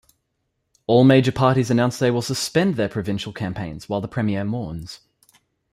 All major parties announce they will suspend their provincial campaigns while the premier mourns.